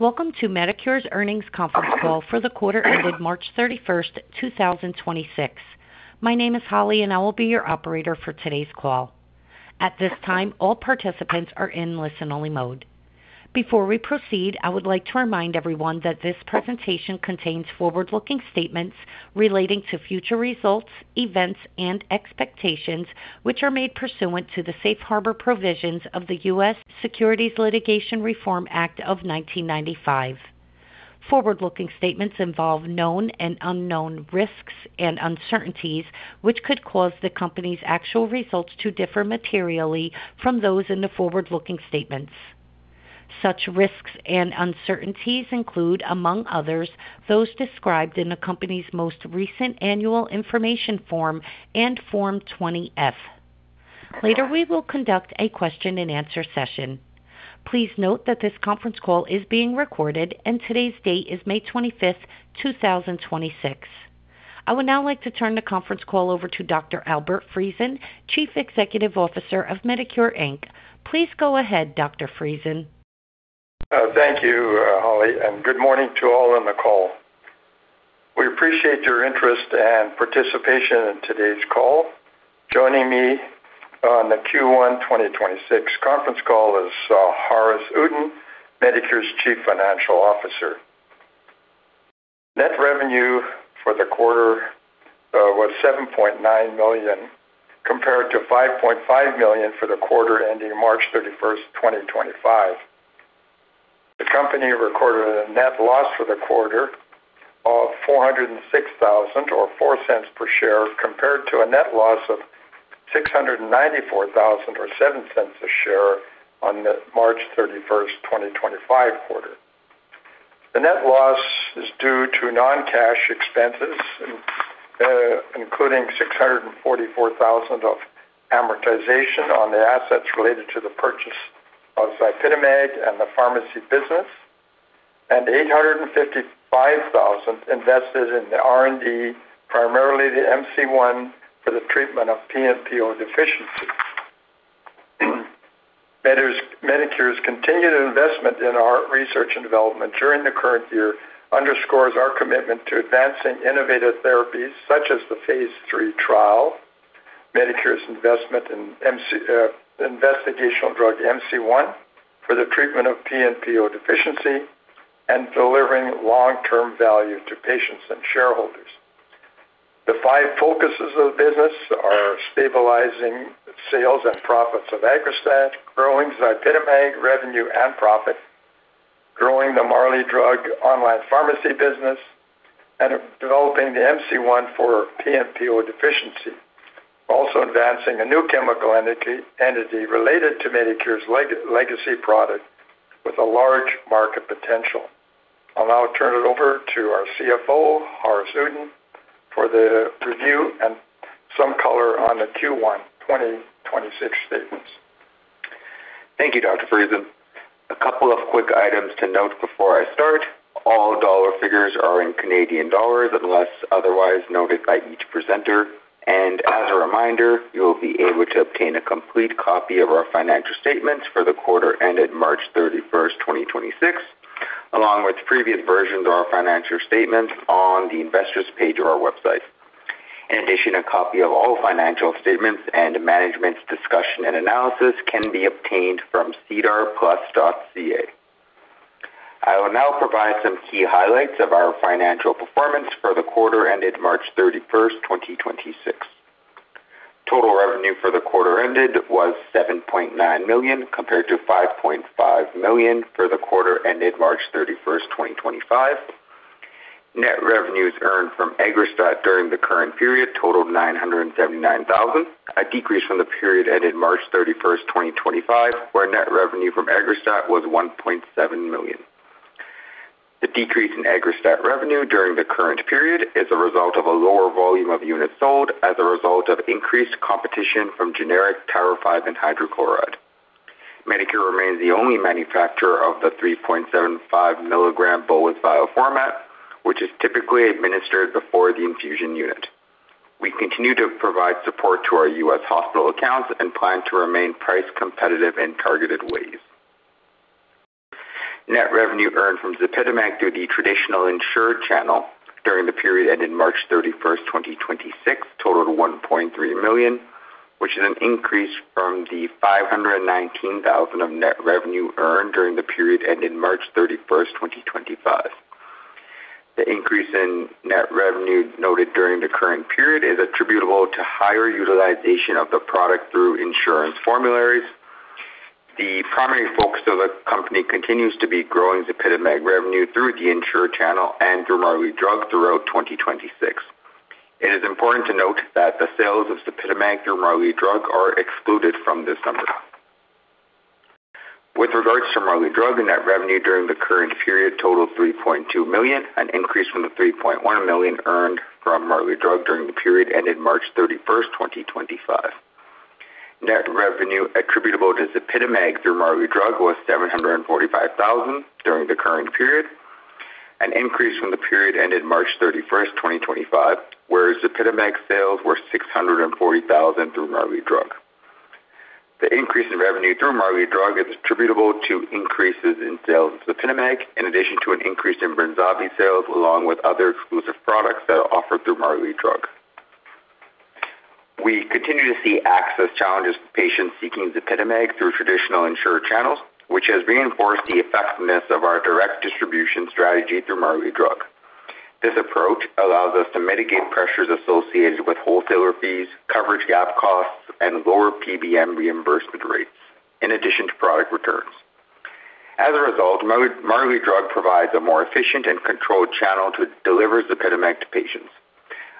Welcome to Medicure's earnings conference call for the quarter ending March 31st, 2026. My name is Holly and I will be your operator for today's call. At this time, all participants are in listen-only mode. Before we proceed, I would like to remind everyone that this presentation contains forward-looking statements relating to future results, events, and expectations, which are made pursuant to the safe harbor provisions of the Private Securities Litigation Reform Act of 1995. Forward-looking statements involve known and unknown risks and uncertainties, which could cause the company's actual results to differ materially from those in the forward-looking statements. Such risks and uncertainties include, among others, those described in the company's most recent annual information form and Form 20-F. Later, we will conduct a question and answer session. Please note that this conference call is being recorded and today's date is May 25th, 2026. I would now like to turn the conference call over to Dr. Albert Friesen, Chief Executive Officer of Medicure Inc. Please go ahead, Dr. Friesen. Thank you, Holly, and good morning to all on the call. We appreciate your interest and participation in today's call. Joining me on the Q1 2026 conference call is Haaris Uddin, Medicure's Chief Financial Officer. Net revenue for the quarter was 7.9 million, compared to 5.5 million for the quarter ending March 31st, 2025. The company recorded a net loss for the quarter of 406,000, or 0.04 per share, compared to a net loss of 694,000 or 0.07 a share on March 31st, 2025 quarter. The net loss is due to non-cash expenses, including 644,000 of amortization on the assets related to the purchase of ZYPITAMAG and the pharmacy business, and 855,000 invested in the R&D, primarily the MC-1 for the treatment of PNPO deficiency. Medicure's continued investment in our research and development during the current year underscores our commitment to advancing innovative therapies such as the phase III trial, Medicure's investment in investigational drug MC-1 for the treatment of PNPO deficiency, and delivering long-term value to patients and shareholders. The five focuses of the business are stabilizing sales and profits of AGGRASTAT, growing ZYPITAMAG revenue and profit, growing the Marley Drug online pharmacy business, and developing the MC-1 for PNPO deficiency. Also advancing a new chemical entity related to Medicure's legacy product with a large market potential. I'll now turn it over to our CFO, Haaris Uddin, for the review and some color on the Q1 2026 statements. Thank you, Dr. Friesen. A couple of quick items to note before I start. All dollar figures are in Canadian dollars, unless otherwise noted by each presenter. As a reminder, you'll be able to obtain a complete copy of our financial statements for the quarter ended March 31st, 2026, along with previous versions of our financial statements on the Investors page of our website. In addition, a copy of all financial statements and management's discussion and analysis can be obtained from sedarplus.ca. I will now provide some key highlights of our financial performance for the quarter ended March 31st, 2026. Total revenue for the quarter ended was 7.9 million, compared to 5.5 million for the quarter ended March 31st, 2025. Net revenues earned from AGGRASTAT during the current period totaled 979,000, a decrease from the period ended March 31st, 2025, where net revenue from AGGRASTAT was 1.7 million. The decrease in AGGRASTAT revenue during the current period is a result of a lower volume of units sold as a result of increased competition from generic tirofiban hydrochloride. Medicure remains the only manufacturer of the 3.75 mg bolus vial format, which is typically administered before the infusion unit. We continue to provide support to our U.S. hospital accounts and plan to remain price competitive in targeted ways. Net revenue earned from ZYPITAMAG through the traditional insured channel during the period ending March 31st, 2026 totaled 1.3 million, which is an increase from the 519,000 of net revenue earned during the period ending March 31st, 2025. The increase in net revenue noted during the current period is attributable to higher utilization of the product through insurance formularies. The primary focus of the company continues to be growing ZYPITAMAG revenue through the insurer channel and through Marley Drug throughout 2026. It is important to note that the sales of ZYPITAMAG through Marley Drug are excluded from this summary. With regards to Marley Drug, net revenue during the current period totaled CAD 3.2 million, an increase from the CAD 3.1 million earned from Marley Drug during the period ending March 31st, 2025. Net revenue attributable to ZYPITAMAG through Marley Drug was 745,000 during the current period, an increase from the period ending March 31st, 2025, where ZYPITAMAG sales were 640,000 through Marley Drug. The increase in revenue through Marley Drug is attributable to increases in sales of ZYPITAMAG, in addition to an increase in BRENZAVVY sales, along with other exclusive products that are offered through Marley Drug. We continue to see access challenges to patients seeking ZYPITAMAG through traditional insurer channels, which has reinforced the effectiveness of our direct distribution strategy through Marley Drug. This approach allows us to mitigate pressures associated with wholesaler fees, coverage gap costs, and lower PBM reimbursement rates, in addition to product returns. As a result, Marley Drug provides a more efficient and controlled channel to deliver ZYPITAMAG to patients.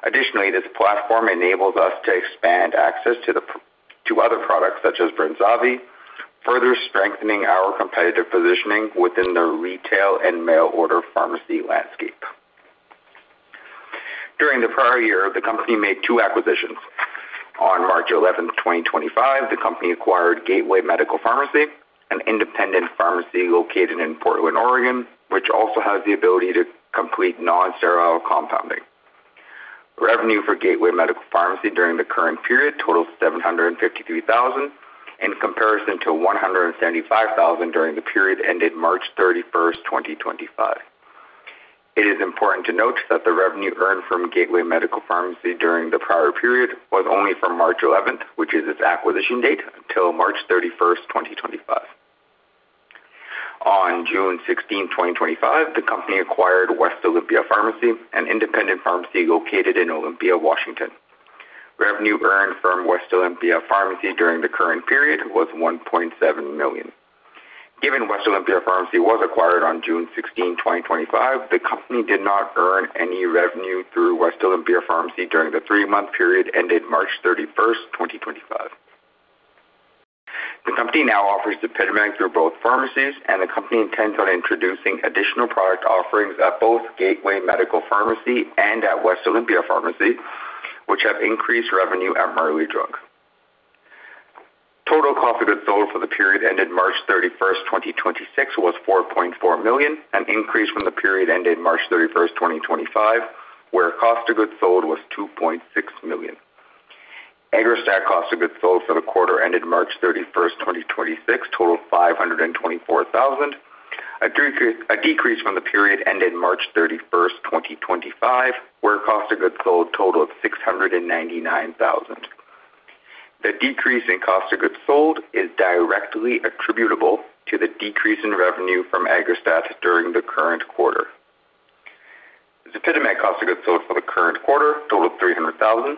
Additionally, this platform enables us to expand access to other products, such as BRENZAVVY, further strengthening our competitive positioning within the retail and mail-order pharmacy landscape. During the prior year, the company made two acquisitions. On March 11th, 2025, the company acquired Gateway Medical Pharmacy, an independent pharmacy located in Portland, Oregon, which also has the ability to complete non-sterile compounding. Revenue for Gateway Medical Pharmacy during the current period totaled 753,000, in comparison to 175,000 during the period ended March 31st, 2025. It is important to note that the revenue earned from Gateway Medical Pharmacy during the prior period was only from March 11th, which is its acquisition date, till March 31st, 2025. On June 16, 2025, the company acquired West Olympia Pharmacy, an independent pharmacy located in Olympia, Washington. Revenue earned from West Olympia Pharmacy during the current period was 1.7 million. Given West Olympia Pharmacy was acquired on June 16th, 2025, the company did not earn any revenue through West Olympia Pharmacy during the three-month period ended March 31st, 2025. The company now offers ZYPITAMAG through both pharmacies, and the company intends on introducing additional product offerings at both Gateway Medical Pharmacy and at West Olympia Pharmacy, which have increased revenue at Marley Drug. Total cost of goods sold for the period ended March 31st, 2026 was 4.4 million, an increase from the period ended March 31st, 2025, where cost of goods sold was 2.6 million. AGGRASTAT cost of goods sold for the quarter ended March 31st, 2026 totaled 524,000, a decrease from the period ended March 31st, 2025, where cost of goods sold totaled 699,000. The decrease in cost of goods sold is directly attributable to the decrease in revenue from AGGRASTAT during the current quarter. ZYPITAMAG cost of goods sold for the current quarter totaled 300,000,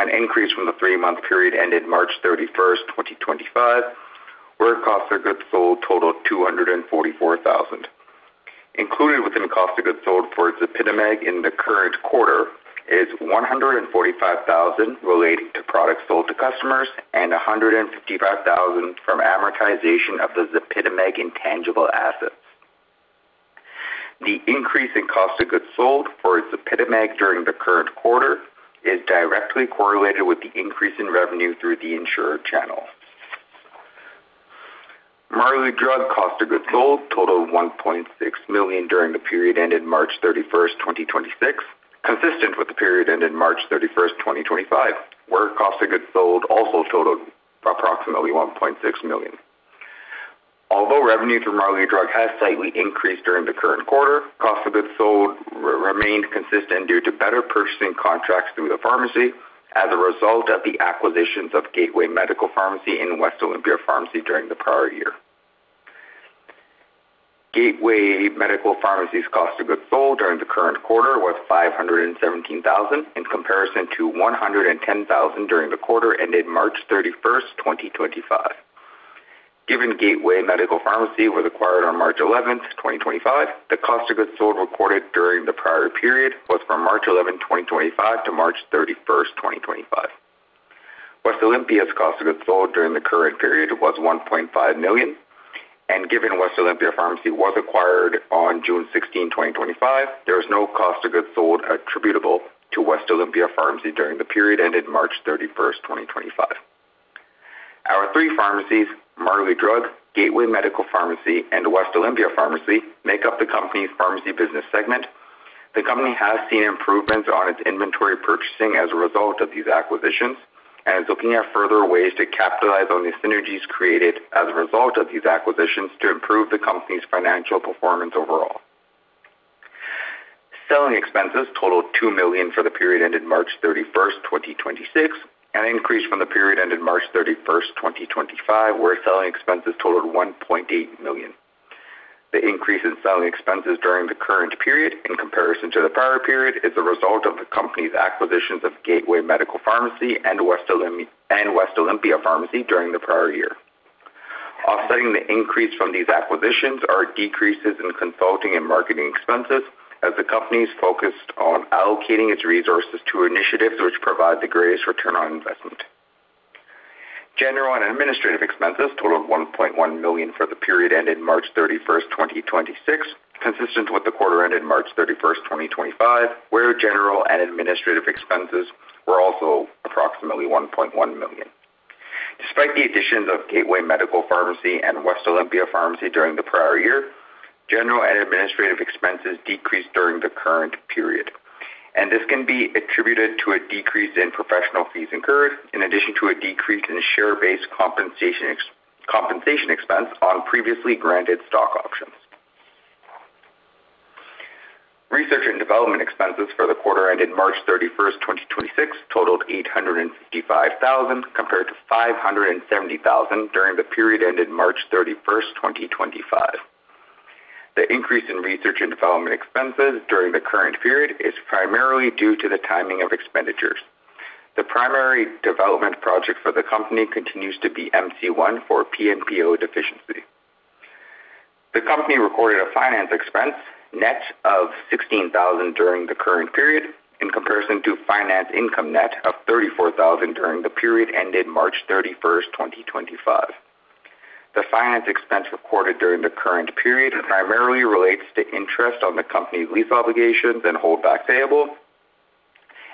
an increase from the three-month period ended March 31st, 2025, where cost of goods sold totaled 244,000. Included within cost of goods sold for ZYPITAMAG in the current quarter is 145,000 related to products sold to customers and 155,000 from amortization of the ZYPITAMAG intangible assets. The increase in cost of goods sold for ZYPITAMAG during the current quarter is directly correlated with the increase in revenue through the insurer channel. Marley Drug cost of goods sold totaled 1.6 million during the period ended March 31st, 2026, consistent with the period ended March 31st, 2025, where cost of goods sold also totaled approximately 1.6 million. Although revenue from Marley Drug has slightly increased during the current quarter, cost of goods sold remained consistent due to better purchasing contracts through the pharmacy as a result of the acquisitions of Gateway Medical Pharmacy and West Olympia Pharmacy during the prior year. Gateway Medical Pharmacy's cost of goods sold during the current quarter was 517,000 in comparison to 110,000 during the quarter ended March 31st, 2025. Given Gateway Medical Pharmacy was acquired on March 11th, 2025, the cost of goods sold recorded during the prior period was from March 11th, 2025 to March 31st, 2025. West Olympia's cost of goods sold during the current period was 1.5 million, and given West Olympia Pharmacy was acquired on June 16th, 2025, there was no cost of goods sold attributable to West Olympia Pharmacy during the period ended March 31st, 2025. Our three pharmacies, Marley Drug, Gateway Medical Pharmacy, and West Olympia Pharmacy, make up the company's pharmacy business segment. The company has seen improvements on its inventory purchasing as a result of these acquisitions and is looking at further ways to capitalize on the synergies created as a result of these acquisitions to improve the company's financial performance overall. Selling expenses totaled 2 million for the period ended March 31st, 2026, an increase from the period ended March 31st, 2025, where selling expenses totaled 1.8 million. The increase in selling expenses during the current period in comparison to the prior period is a result of the company's acquisitions of Gateway Medical Pharmacy and West Olympia Pharmacy during the prior year. Offsetting the increase from these acquisitions are decreases in consulting and marketing expenses as the company's focused on allocating its resources to initiatives which provide the greatest ROI. General and administrative expenses totaled 1.1 million for the period ended March 31st, 2026, consistent with the quarter ended March 31st, 2025, where general and administrative expenses were also approximately 1.1 million. Despite the additions of Gateway Medical Pharmacy and West Olympia Pharmacy during the prior year, general and administrative expenses decreased during the current period. This can be attributed to a decrease in professional fees incurred, in addition to a decrease in share-based compensation expense on previously granted stock options. Research and development expenses for the quarter ended March 31st, 2026 totaled 865,000, compared to 570,000 during the period ended March 31st, 2025. The increase in research and development expenses during the current period is primarily due to the timing of expenditures. The primary development project for the company continues to be MC-1 for PNPO deficiency. The company recorded a finance expense net of 16,000 during the current period, in comparison to finance income net of 34,000 during the period ended March 31st, 2025. The finance expense recorded during the current period primarily relates to interest on the company's lease obligations and holdback payable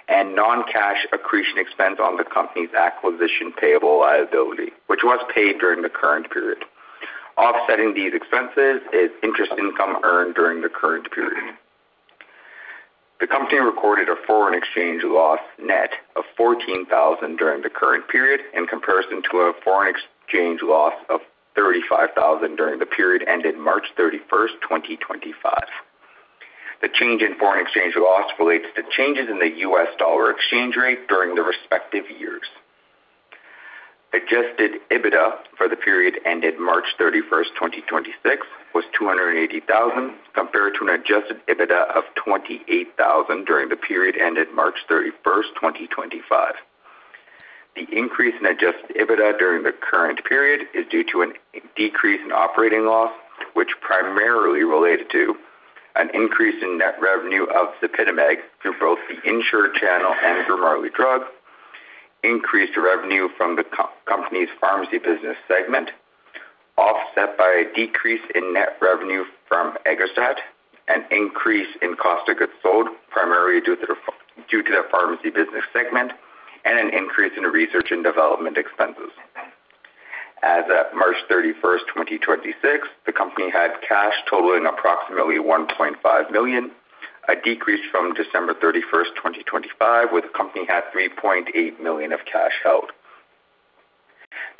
and non-cash accretion expense on the company's acquisition payable liability, which was paid during the current period. Offsetting these expenses is interest income earned during the current period. The company recorded a foreign exchange loss net of 14,000 during the current period, in comparison to a foreign exchange loss of 35,000 during the period ended March 31st, 2025. The change in foreign exchange loss relates to changes in the US dollar exchange rate during the respective years. Adjusted EBITDA for the period ended March 31st, 2026 was 280,000 compared to an Adjusted EBITDA of 28,000 during the period ended March 31st, 2025. The increase in Adjusted EBITDA during the current period is due to a decrease in operating loss, which primarily relates to an increase in net revenue of ZYPITAMAG through both the insured channel and Marley Drug, increased revenue from the company's pharmacy business segment, offset by a decrease in net revenue from AGGRASTAT, an increase in cost of goods sold, primarily due to the pharmacy business segment, and an increase in research and development expenses. As at March 31st, 2026, the company had cash totaling approximately 1.5 million, a decrease from December 31st, 2025, where the company had 3.8 million of cash held.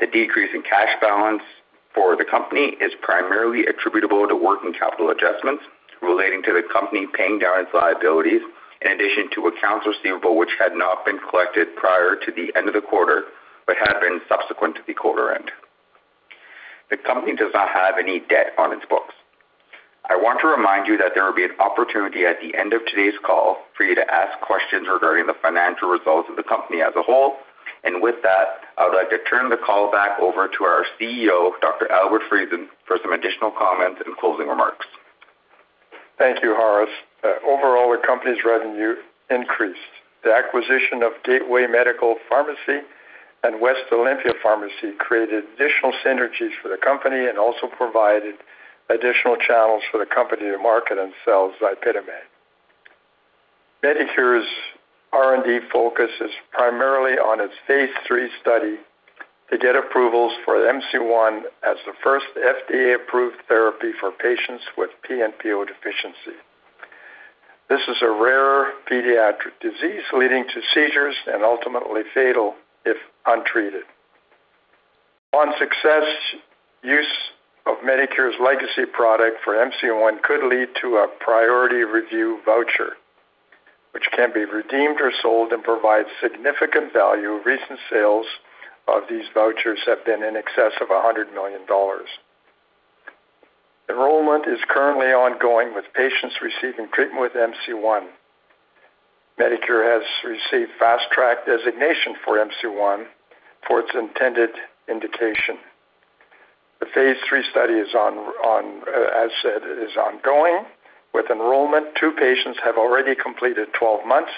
The decrease in cash balance for the company is primarily attributable to working capital adjustments relating to the company paying down its liabilities, in addition to accounts receivable which had not been collected prior to the end of the quarter but had been subsequent to the quarter end. The company does not have any debt on its books. I want to remind you that there will be an opportunity at the end of today's call for you to ask questions regarding the financial results of the company as a whole. With that, I would like to turn the call back over to our CEO, Dr. Albert Friesen, for some additional comments and closing remarks. Thank you, Haaris. Overall, the company's revenue increased. The acquisition of Gateway Medical Pharmacy and West Olympia Pharmacy created additional synergies for the company and also provided additional channels for the company to market and sell ZYPITAMAG. Medicure's R&D focus is primarily on its phase III study to get approvals for MC-1 as the first FDA-approved therapy for patients with PNPO deficiency. This is a rare pediatric disease leading to seizures and ultimately fatal if untreated. On success, use of Medicure's legacy product for MC-1 could lead to a priority review voucher, which can be redeemed or sold and provide significant value. Recent sales of these vouchers have been in excess of 100 million dollars. Enrollment is currently ongoing with patients receiving treatment with MC-1. Medicure has received Fast Track designation for MC-1 for its intended indication. The phase III study, as said, is ongoing. With enrollment, two patients have already completed 12 months,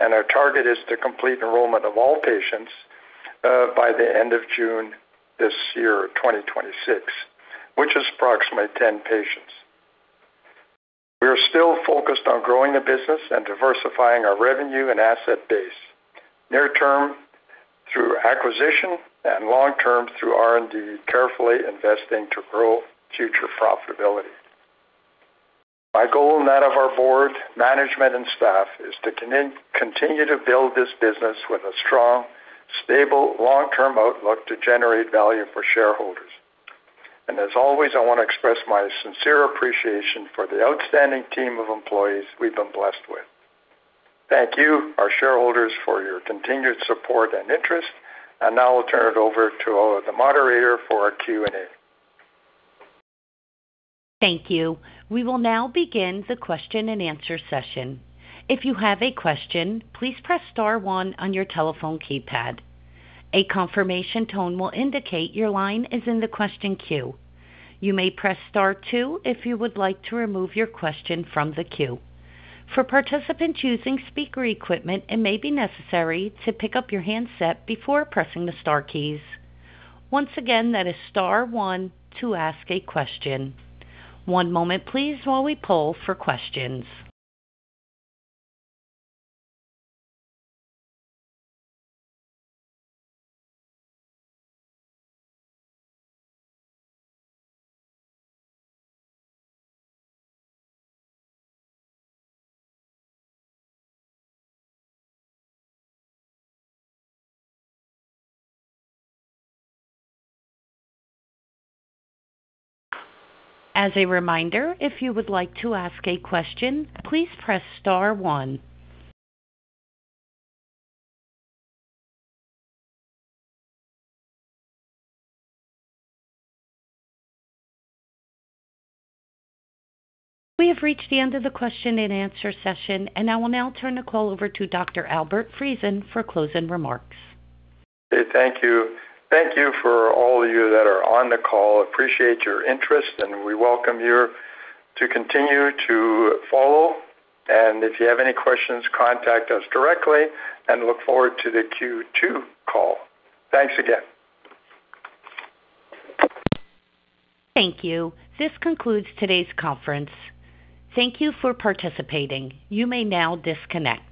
and our target is to complete enrollment of all patients by the end of June this year, 2026, which is approximately 10 patients. We are still focused on growing the business and diversifying our revenue and asset base, near-term through acquisition and long-term through R&D, carefully investing to grow future profitability. My goal and that of our board, management, and staff is to continue to build this business with a strong, stable, long-term outlook to generate value for shareholders. As always, I want to express my sincere appreciation for the outstanding team of employees we've been blessed with. Thank you, our shareholders, for your continued support and interest. Now I'll turn it over to the moderator for our Q&A. Thank you. We will now begin the question and answer session. If you have a question, please press star one on your telephone keypad. A confirmation tone will indicate your line is in the question queue. You may press star two if you would like to remove your question from the queue. For participants using speaker equipment, it may be necessary to pick up your handset before pressing the star keys. Once again, that is star one to ask a question. One moment, please, while we poll for questions. As a reminder, if you would like to ask a question, please press star one. We have reached the end of the question and answer session, and I will now turn the call over to Dr. Albert Friesen for closing remarks. Thank you. Thank you for all of you that are on the call. Appreciate your interest, and we welcome you to continue to follow. If you have any questions, contact us directly and look forward to the Q2 call. Thanks again. Thank you. This concludes today's conference. Thank you for participating. You may now disconnect.